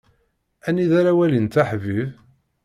Anida ara walint aḥbib.